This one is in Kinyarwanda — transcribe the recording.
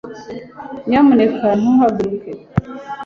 nyamuneka ntuhaguruke